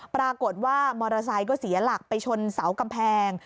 ปรากฏว่ามอเตอร์ไซค์ก็เสียหลักไปชนเสากำแพง